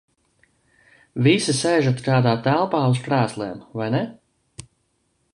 Visi sēžat kādā telpā uz krēsliem, vai ne?